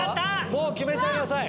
もう決めちゃいなさい！